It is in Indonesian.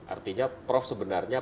artinya prof sebenarnya